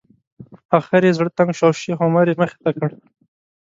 اخر یې زړه تنګ شو او شیخ عمر یې مخې ته کړ.